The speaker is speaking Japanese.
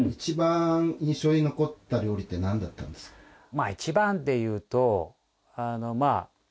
まあ一番でいうとあのまあ